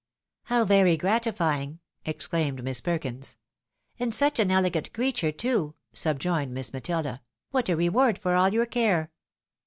" How very gratifying! " exclaimed Miss Perkins. " And such an elegant creature, too !" subjoined Miss Matilda. " What a reward for all your care